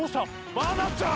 愛菜ちゃん！？